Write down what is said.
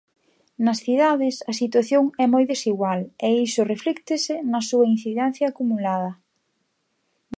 Nas cidades a situación é moi desigual e isto reflíctese na súa incidencia acumulada.